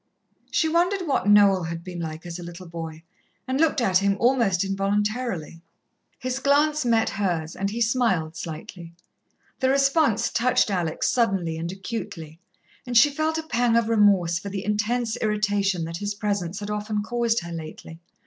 She wondered what Noel had been like as a little boy, and looked at him almost involuntarily. His glance met hers, and he smiled slightly. The response touched Alex suddenly and acutely, and she felt a pang of remorse for the intense irritation that his presence had often caused her lately.